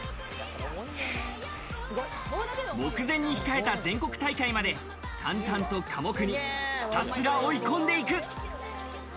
目前に控えた全国大会まで、淡々と寡黙にひたすら追い込んでいく。